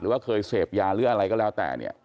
ว่าเคยเสพยาหรืออะไรก็แล้วแต่เนี่ย